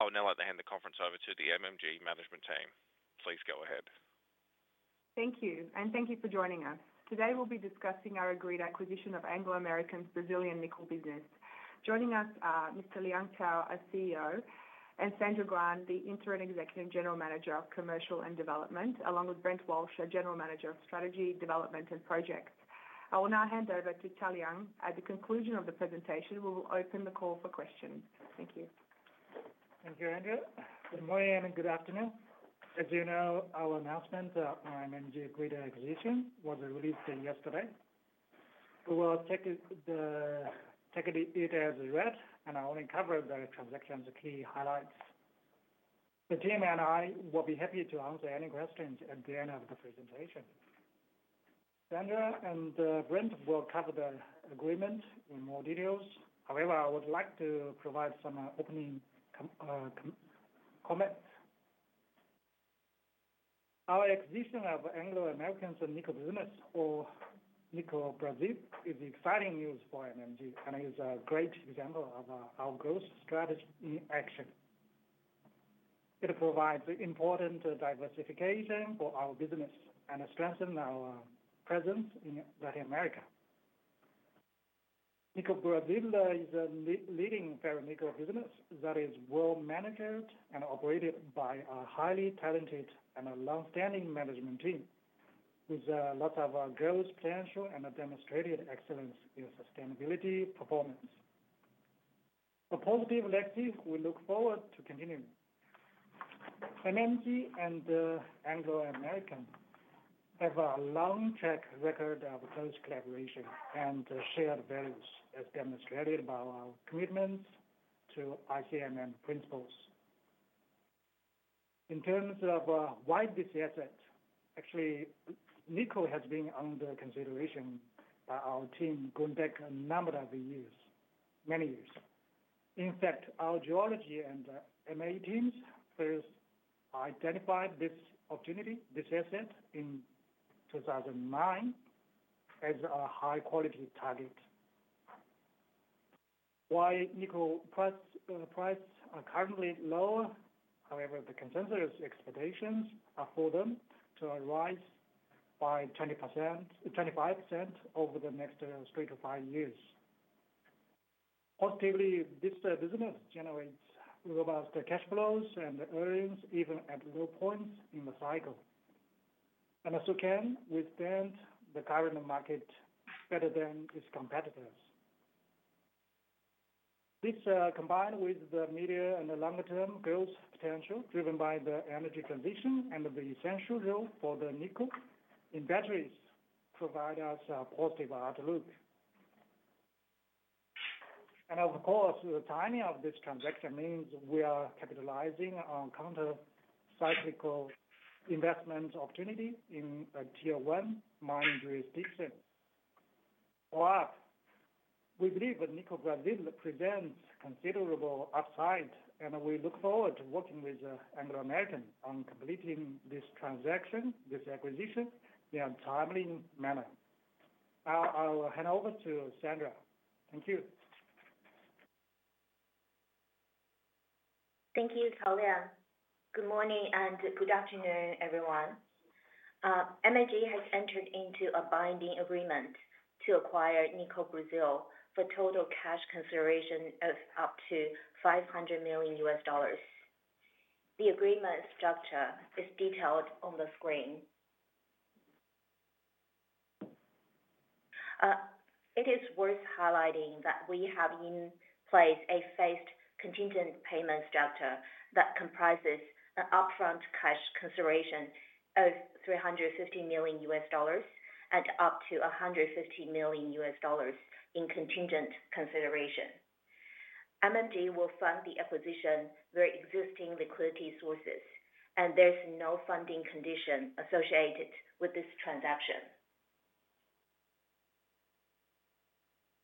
I'll now hand the conference over to the MMG management team. Please go ahead. Thank you, and thank you for joining us. Today we'll be discussing our agreed acquisition of Anglo American's Brazilian nickel business. Joining us are Mr. Liang Cao, our CEO, and Sandra Guan, the Interim Executive General Manager of Commercial and Development, along with Brent Walsh, our General Manager of Strategy, Development, and Projects. I will now hand over to Liang Cao. At the conclusion of the presentation, we will open the call for questions. Thank you. Thank you, Andrea. Good morning and good afternoon. As you know, our announcement of our MMG agreed acquisition was released yesterday. We will take it as it is, and I'll only cover the transaction's key highlights. The team and I will be happy to answer any questions at the end of the presentation. Sandra and Brent will cover the agreement in more details. However, I would like to provide some opening comments. Our acquisition of Anglo American's nickel business, or Nickel Brazil, is exciting news for MMG and is a great example of our growth strategy in action. It provides important diversification for our business and strengthens our presence in Latin America. Nickel Brazil is a leading ferronickel business that is well-managed and operated by a highly talented and long-standing management team with lots of growth potential and demonstrated excellence in sustainability performance. A positive legacy we look forward to continuing. MMG and Anglo American have a long track record of close collaboration and shared values, as demonstrated by our commitments to ICMM principles. In terms of why this asset, actually, nickel has been under consideration by our team going back a number of years, many years. In fact, our geology and M&A teams first identified this opportunity, this asset, in 2009 as a high-quality target. While nickel prices are currently low, however, the consensus expectations are for them to rise by 25% over the next three to five years. Positively, this business generates robust cash flows and earnings even at low points in the cycle, and so can withstand the current market better than its competitors. This, combined with the medium and longer-term growth potential driven by the energy transition and the essential role for the nickel in batteries, provide us a positive outlook. And of course, the timing of this transaction means we are capitalizing on counter-cyclical investment opportunity in Tier 1 mining jurisdiction. While we believe that Nickel Brazil presents considerable upside, we look forward to working with Anglo American on completing this transaction, this acquisition, in a timely manner. I'll hand over to Sandra. Thank you. Thank you, Cao Liang. Good morning and good afternoon, everyone. MMG has entered into a binding agreement to acquire Nickel Brazil for total cash consideration of up to $500 million. The agreement structure is detailed on the screen. It is worth highlighting that we have in place a phased contingent payment structure that comprises an upfront cash consideration of $350 million and up to $150 million in contingent consideration. MMG will fund the acquisition via existing liquidity sources, and there's no funding condition associated with this transaction.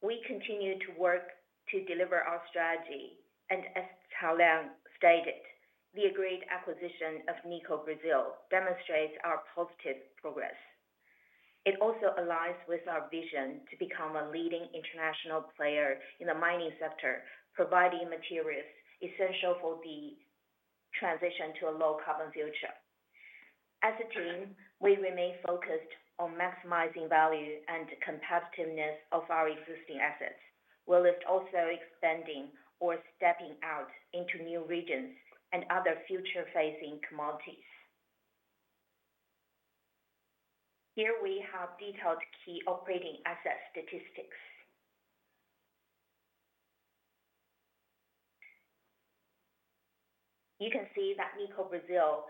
We continue to work to deliver our strategy, and as Cao Liang stated, the agreed acquisition of Nickel Brazil demonstrates our positive progress. It also aligns with our vision to become a leading international player in the mining sector, providing materials essential for the transition to a low-carbon future. As a team, we remain focused on maximizing value and competitiveness of our existing assets. We'll also be expanding or stepping out into new regions and other future-facing commodities. Here we have detailed key operating asset statistics. You can see that Nickel Brazil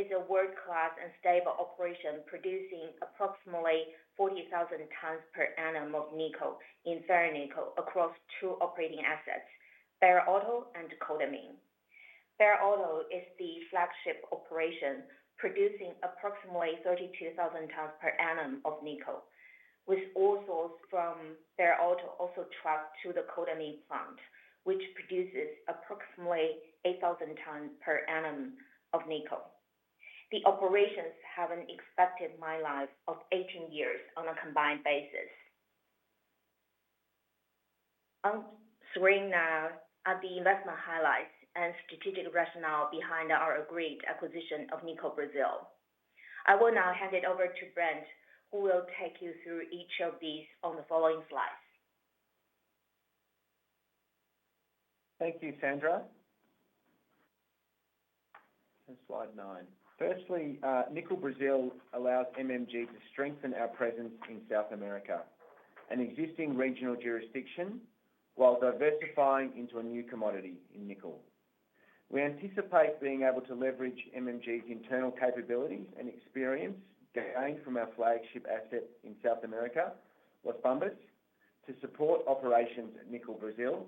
is a world-class and stable operation producing approximately 40,000 tons per annum of nickel in ferronickel across two operating assets, Barro Alto and Codemin. Barro Alto is the flagship operation producing approximately 32,000 tons per annum of nickel, with all sales from Barro Alto also tracked to the Codemin plant, which produces approximately 8,000 tons per annum of nickel. The operations have an expected mine life of 18 years on a combined basis. I'm screening now at the investment highlights and strategic rationale behind our agreed acquisition of Nickel Brazil. I will now hand it over to Brent, who will take you through each of these on the following slides. Thank you, Sandra. And Slide 9. Firstly, Nickel Brazil allows MMG to strengthen our presence in South America, an existing regional jurisdiction, while diversifying into a new commodity in nickel. We anticipate being able to leverage MMG's internal capabilities and experience gained from our flagship asset in South America, Las Bambas, to support operations at Nickel Brazil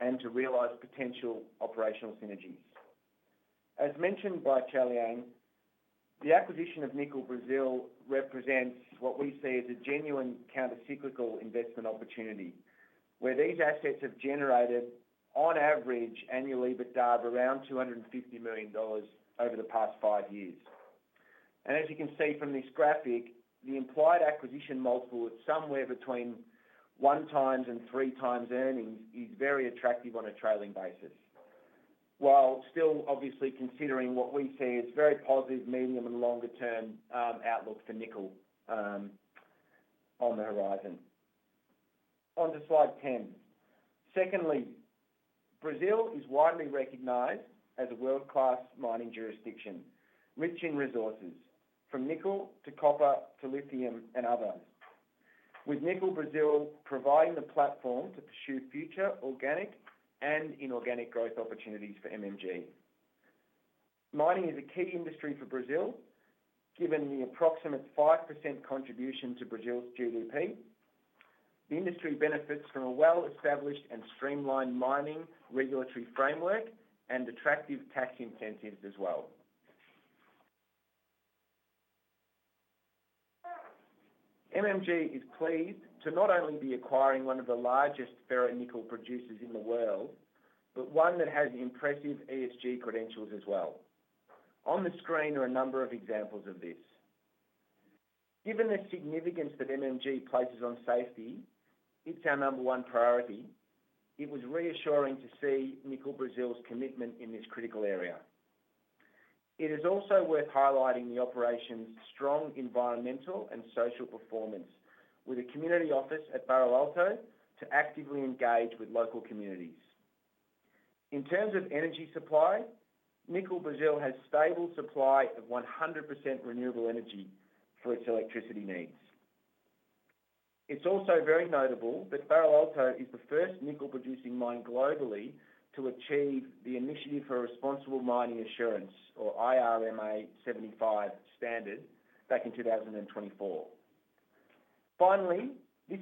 and to realize potential operational synergies. As mentioned by Cao Liang, the acquisition of Nickel Brazil represents what we see as a genuine counter-cyclical investment opportunity, where these assets have generated, on average, annual EBITDA of around $250 million over the past five years. And as you can see from this graphic, the implied acquisition multiple of somewhere between one times and three times earnings is very attractive on a trailing basis, while still obviously considering what we see as very positive medium and longer-term outlook for nickel on the horizon. Onto Slide 10. Secondly, Brazil is widely recognized as a world-class mining jurisdiction, rich in resources, from nickel to copper to lithium and others, with Nickel Brazil providing the platform to pursue future organic and inorganic growth opportunities for MMG. Mining is a key industry for Brazil, given the approximate 5% contribution to Brazil's GDP. The industry benefits from a well-established and streamlined mining regulatory framework and attractive tax incentives as well. MMG is pleased to not only be acquiring one of the largest ferronickel producers in the world, but one that has impressive ESG credentials as well. On the screen are a number of examples of this. Given the significance that MMG places on safety, it's our number one priority. It was reassuring to see Nickel Brazil's commitment in this critical area. It is also worth highlighting the operation's strong environmental and social performance, with a community office at Barro Alto to actively engage with local communities. In terms of energy supply, Nickel Brazil has a stable supply of 100% renewable energy for its electricity needs. It's also very notable that Barro Alto is the first nickel-producing mine globally to achieve the Initiative for Responsible Mining Assurance, or IRMA 75, standard back in 2024. Finally, this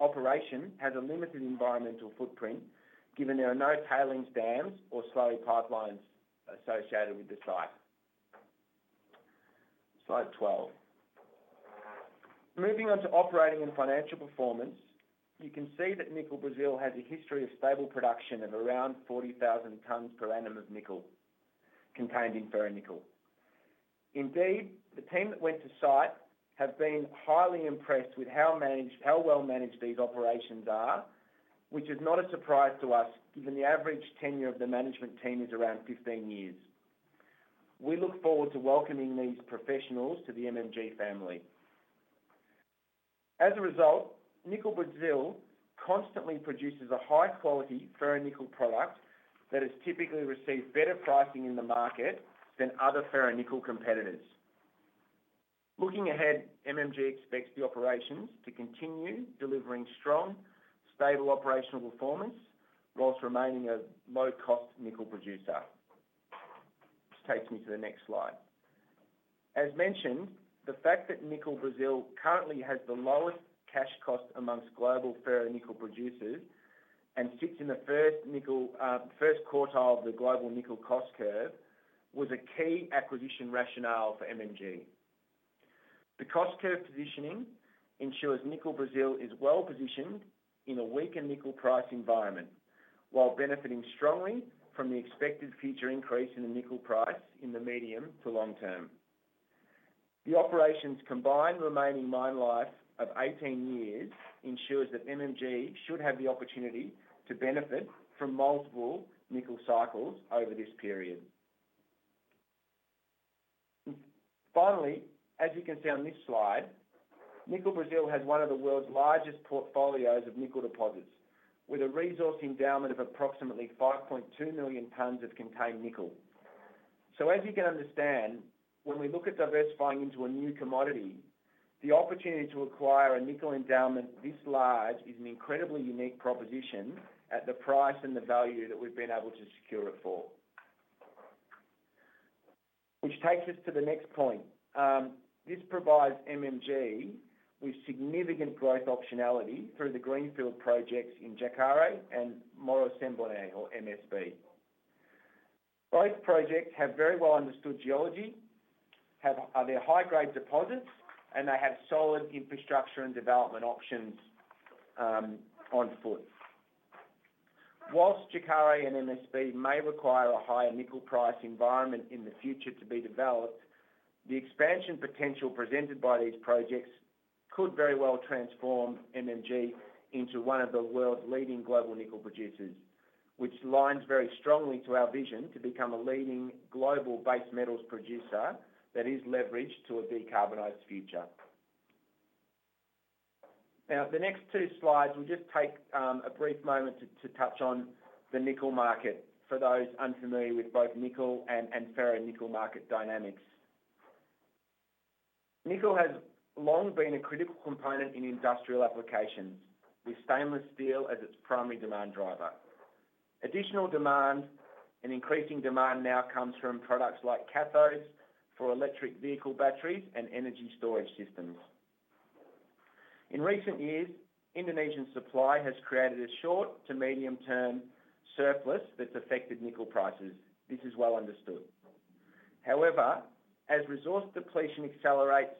operation has a limited environmental footprint, given there are no tailings dams or slurry pipelines associated with the site. Slide 12. Moving on to operating and financial performance, you can see that Nickel Brazil has a history of stable production of around 40,000 tons per annum of nickel contained in ferronickel. Indeed, the team that went to site have been highly impressed with how well-managed these operations are, which is not a surprise to us, given the average tenure of the management team is around 15 years. We look forward to welcoming these professionals to the MMG family. As a result, Nickel Brazil constantly produces a high-quality ferronickel product that has typically received better pricing in the market than other ferronickel competitors. Looking ahead, MMG expects the operations to continue delivering strong, stable operational performance, while remaining a low-cost nickel producer. This takes me to the next slide. As mentioned, the fact that Nickel Brazil currently has the lowest cash cost amongst global ferronickel producers and sits in the first quartile of the global nickel cost curve was a key acquisition rationale for MMG. The cost curve positioning ensures Nickel Brazil is well-positioned in a weaker nickel price environment, while benefiting strongly from the expected future increase in the nickel price in the medium to long term. The operation's combined remaining mine life of 18 years ensures that MMG should have the opportunity to benefit from multiple nickel cycles over this period. Finally, as you can see on this slide, Nickel Brazil has one of the world's largest portfolios of nickel deposits, with a resource endowment of approximately 5.2 million tons of contained nickel. So as you can understand, when we look at diversifying into a new commodity, the opportunity to acquire a nickel endowment this large is an incredibly unique proposition at the price and the value that we've been able to secure it for. Which takes us to the next point. This provides MMG with significant growth optionality through the greenfield projects in Jacaré and Morro Sem Boné, or MSB. Both projects have very well-understood geology, are very high-grade deposits, and they have solid infrastructure and development options afoot. While Jacaré and MSB may require a higher nickel price environment in the future to be developed, the expansion potential presented by these projects could very well transform MMG into one of the world's leading global nickel producers, which aligns very strongly with our vision to become a leading global base metals producer that is leveraged to a decarbonized future. Now, the next two slides, we'll just take a brief moment to touch on the nickel market for those unfamiliar with both nickel and ferronickel market dynamics. nickel has long been a critical component in industrial applications, with stainless steel as its primary demand driver. Additional demand and increasing demand now comes from products like cathodes for electric vehicle batteries and energy storage systems. In recent years, Indonesian supply has created a short to medium-term surplus that's affected nickel prices. This is well understood. However, as resource depletion accelerates,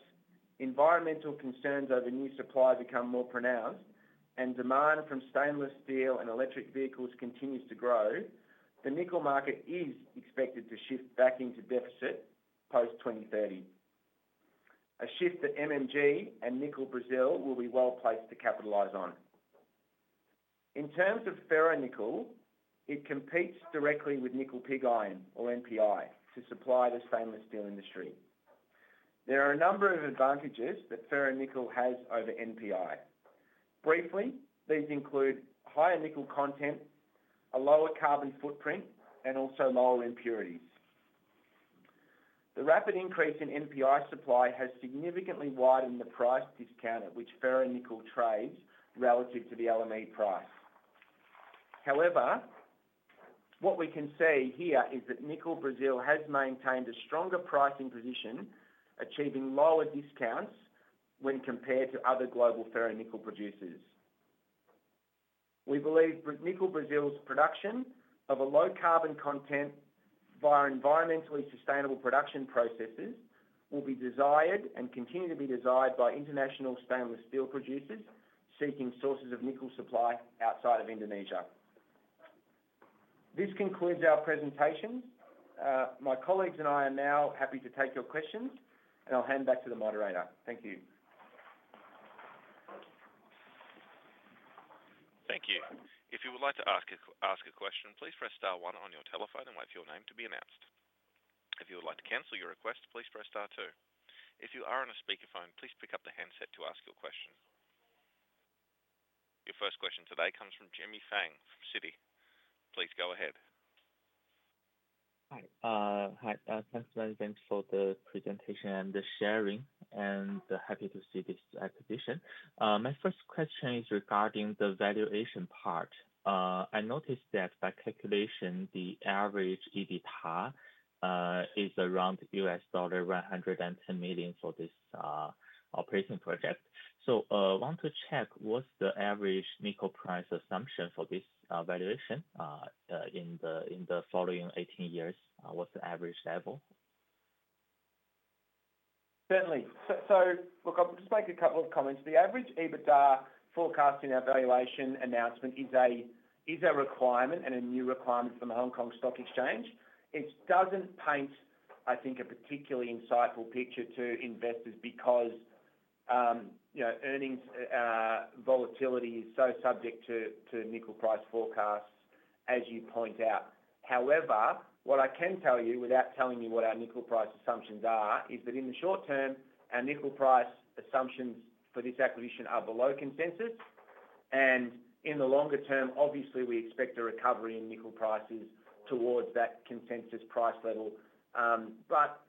environmental concerns over new supply become more pronounced, and demand from stainless steel and electric vehicles continues to grow, the nickel market is expected to shift back into deficit post-2030, a shift that MMG and Nickel Brazil will be well placed to capitalize on. In terms of ferronickel, it competes directly with nickel pig iron, or NPI, to supply the stainless steel industry. There are a number of advantages that ferronickel has over NPI. Briefly, these include higher nickel content, a lower carbon footprint, and also lower impurities. The rapid increase in NPI supply has significantly widened the price discount at which ferronickel trades relative to the LME price. However, what we can see here is that Nickel Brazil has maintained a stronger pricing position, achieving lower discounts when compared to other global ferronickel producers. We believe Nickel Brazil's production of a low carbon content via environmentally sustainable production processes will be desired and continue to be desired by international stainless steel producers seeking sources of nickel supply outside of Indonesia. This concludes our presentations. My colleagues and I are now happy to take your questions, and I'll hand back to the moderator. Thank you. Thank you. If you would like to ask a question, please press star one on your telephone and wait for your name to be announced. If you would like to cancel your request, please press star two. If you are on a speakerphone, please pick up the handset to ask your question. Your first question today comes from Gene Fang from Citi. Please go ahead. Hi. Thanks very much for the presentation and the sharing, and happy to see this acquisition. My first question is regarding the valuation part. I noticed that by calculation, the average EBITDA is around $110 million for this operating project. So I want to check what's the average nickel price assumption for this valuation in the following 18 years. What's the average level? Certainly. So look, I'll just make a couple of comments. The average EBITDA forecast in our valuation announcement is a requirement and a new requirement from the Hong Kong Stock Exchange. It doesn't paint, I think, a particularly insightful picture to investors because earnings volatility is so subject to nickel price forecasts, as you point out. However, what I can tell you without telling you what our nickel price assumptions are is that in the short term, our nickel price assumptions for this acquisition are below consensus. And in the longer term, obviously, we expect a recovery in nickel prices towards that consensus price level. But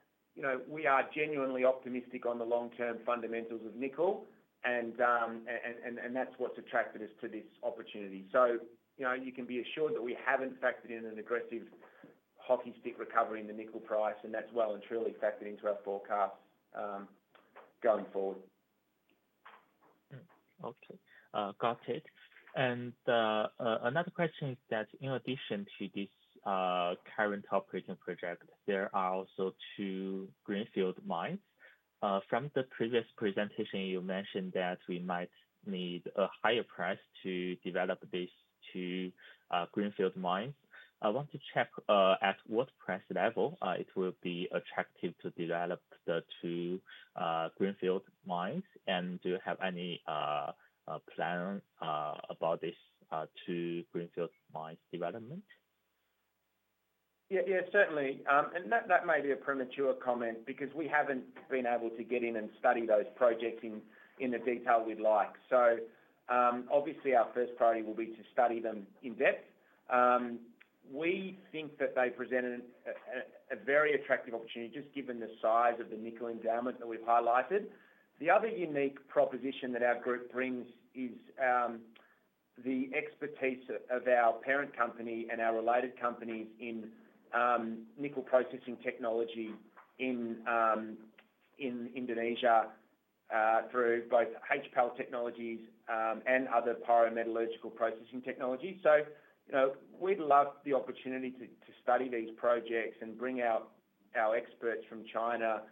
we are genuinely optimistic on the long-term fundamentals of nickel, and that's what's attracted us to this opportunity. You can be assured that we haven't factored in an aggressive hockey stick recovery in the nickel price, and that's well and truly factored into our forecast going forward. Okay. Got it. And another question is that in addition to this current operating project, there are also two greenfield mines. From the previous presentation, you mentioned that we might need a higher price to develop these two greenfield mines. I want to check at what price level it will be attractive to develop the two greenfield mines, and do you have any plan about these two greenfield mines' development? Yeah, certainly. And that may be a premature comment because we haven't been able to get in and study those projects in the detail we'd like. So obviously, our first priority will be to study them in depth. We think that they present a very attractive opportunity just given the size of the nickel endowment that we've highlighted. The other unique proposition that our group brings is the expertise of our parent company and our related companies in nickel processing technology in Indonesia through both HPAL technologies and other pyrometallurgical processing technologies. So we'd love the opportunity to study these projects and bring out our experts from China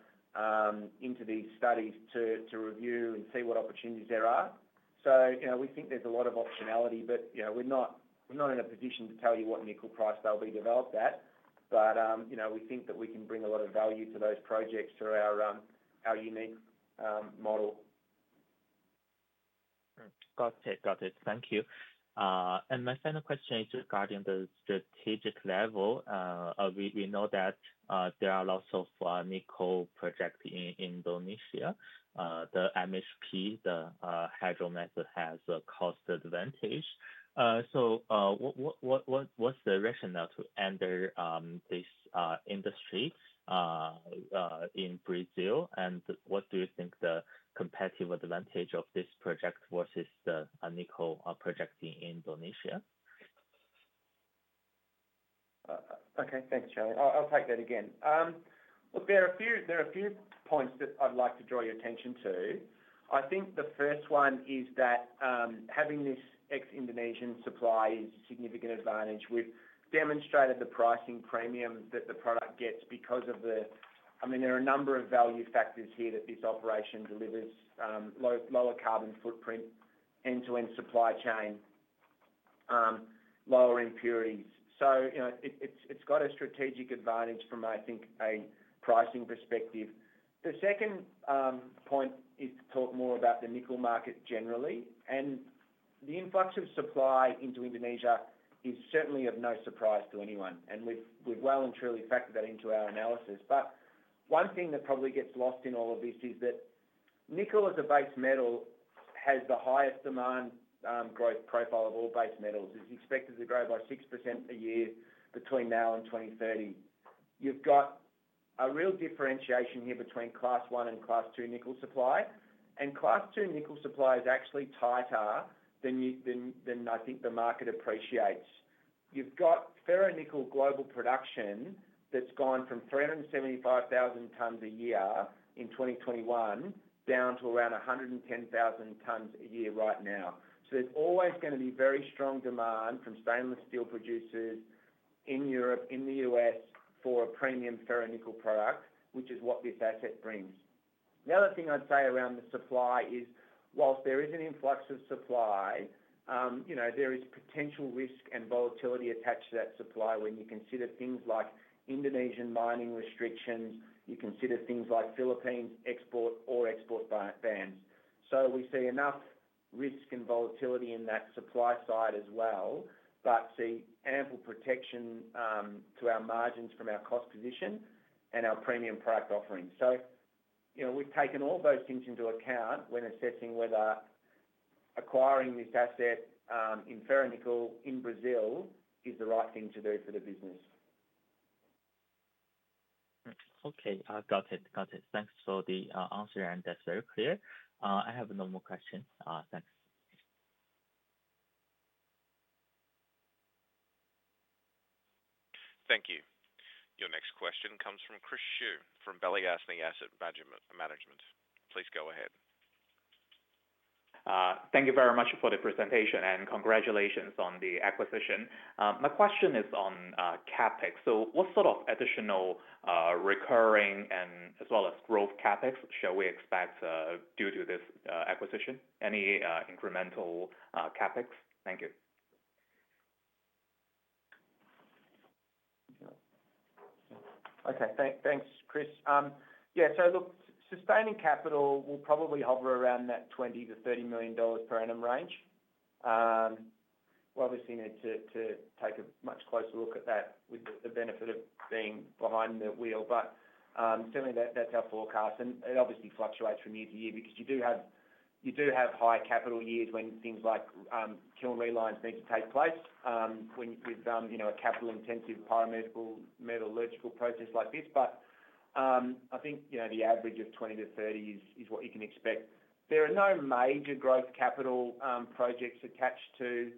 into these studies to review and see what opportunities there are. So we think there's a lot of optionality, but we're not in a position to tell you what nickel price they'll be developed at. But we think that we can bring a lot of value to those projects through our unique model. Got it. Got it. Thank you, and my final question is regarding the strategic level. We know that there are lots of nickel projects in Indonesia. The MSB, the hydromet, has a cost advantage. So what's the rationale to enter this industry in Brazil? And what do you think the competitive advantage of this project versus a nickel project in Indonesia? Okay. Thanks, Gene. I'll take that again. Look, there are a few points that I'd like to draw your attention to. I think the first one is that having this ex-Indonesian supply is a significant advantage. We've demonstrated the pricing premium that the product gets because of the, I mean, there are a number of value factors here that this operation delivers: lower carbon footprint, end-to-end supply chain, lower impurities. So it's got a strategic advantage from, I think, a pricing perspective. The second point is to talk more about the nickel market generally. And the influx of supply into Indonesia is certainly of no surprise to anyone. And we've well and truly factored that into our analysis. But one thing that probably gets lost in all of this is that nickel, as a base metal, has the highest demand growth profile of all base metals. It's expected to grow by 6% a year between now and 2030. You've got a real differentiation here between Class 1 and Class 2 nickel supply. And Class 2 nickel supply is actually tighter than I think the market appreciates. You've got ferronickel global production that's gone from 375,000 tons a year in 2021 down to around 110,000 tons a year right now. So there's always going to be very strong demand from stainless steel producers in Europe, in the US, for a premium ferronickel product, which is what this asset brings. The other thing I'd say around the supply is, while there is an influx of supply, there is potential risk and volatility attached to that supply when you consider things like Indonesian mining restrictions, you consider things like Philippines export or export bans. So we see enough risk and volatility in that supply side as well, but see ample protection to our margins from our cost position and our premium product offering. So we've taken all those things into account when assessing whether acquiring this asset in ferronickel in Brazil is the right thing to do for the business. Okay. Got it. Got it. Thanks for the answer, and that's very clear. I have no more questions. Thanks. Thank you. Your next question comes from Chris Reilly from Balyasny Asset Management. Please go ahead. Thank you very much for the presentation, and congratulations on the acquisition. My question is on CapEx. So what sort of additional recurring and as well as growth CapEx shall we expect due to this acquisition? Any incremental CapEx? Thank you. Okay. Thanks, Chris. Yeah. So look, sustaining capital will probably hover around that $20-$30 million per annum range. We're obviously need to take a much closer look at that with the benefit of being behind the wheel. But certainly, that's our forecast. And it obviously fluctuates from year to year because you do have high capital years when things like kiln relines need to take place with a capital-intensive pyrometallurgical process like this. But I think the average of $20-$30 is what you can expect. There are no major growth capital projects attached to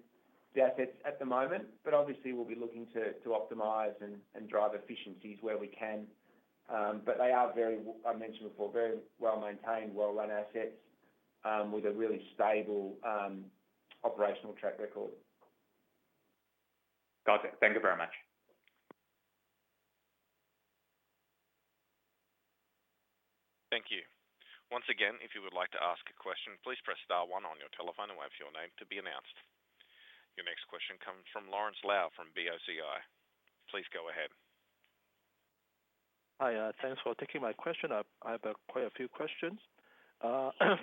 the assets at the moment, but obviously, we'll be looking to optimize and drive efficiencies where we can. But they are, I mentioned before, very well-maintained, well-run assets with a really stable operational track record. Got it. Thank you very much. Thank you. Once again, if you would like to ask a question, please press star one on your telephone and wait for your name to be announced. Your next question comes from Lawrence Lau from BOCI. Please go ahead. Hi. Thanks for taking my question. I have quite a few questions.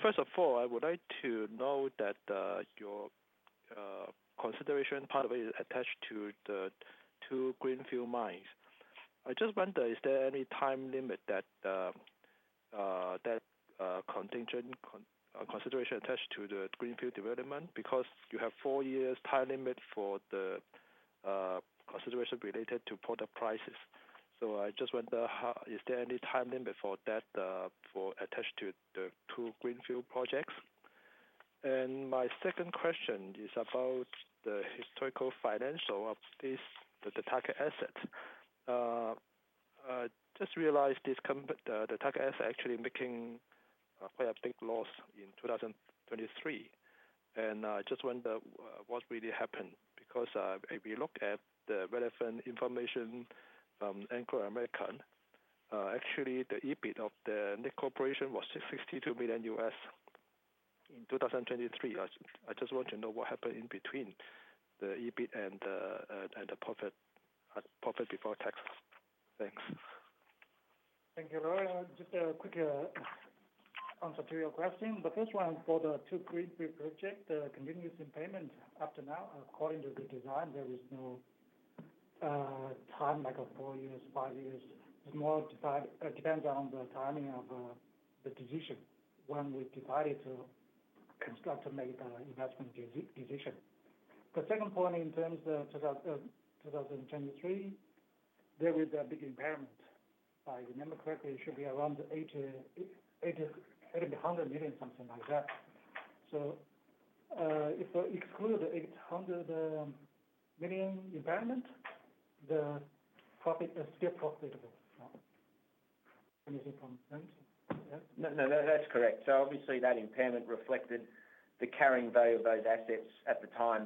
First of all, I would like to know that your consideration part of it is attached to the two greenfield mines. I just wonder, is there any time limit that consideration attached to the greenfield development? Because you have four years time limit for the consideration related to product prices. So I just wonder, is there any time limit for that attached to the two greenfield projects? And my second question is about the historical financial of the target asset. Just realized the target asset actually making quite a big loss in 2023. And I just wonder what really happened because if we look at the relevant information from Anglo American, actually, the EBIT of the Nickel operations was $62 million in 2023. I just want to know what happened in between the EBIT and the profit before tax. Thanks. Thank you, Lawrence. Just a quick answer to your question. The first one for the two greenfield project, the continuous improvement after now, according to the design, there is no time like four years, five years. It's more depends on the timing of the decision when we decided to construct and make the investment decision. The second point in terms of 2023, there was a big impairment. If I remember correctly, it should be around $800 million, something like that. So if we exclude the $800 million impairment, the profit is still profitable. No, no, that's correct. So obviously, that impairment reflected the carrying value of those assets at the time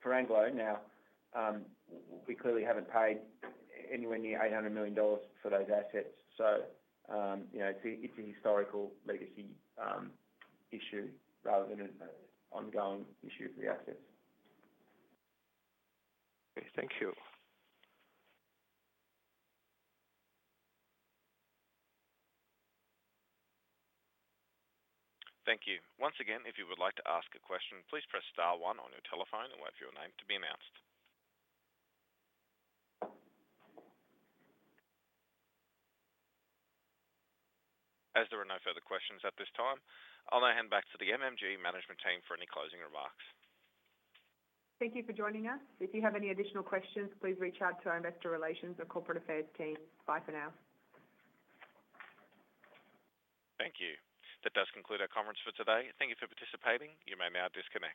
for Anglo. Now, we clearly haven't paid anywhere near $800 million for those assets. So it's a historical legacy issue rather than an ongoing issue for the assets. Okay. Thank you. Thank you. Once again, if you would like to ask a question, please press star one on your telephone and wait for your name to be announced. As there are no further questions at this time, I'll now hand back to the MMG management team for any closing remarks. Thank you for joining us. If you have any additional questions, please reach out to our investor relations or corporate affairs team. Bye for now. Thank you. That does conclude our conference for today. Thank you for participating. You may now disconnect.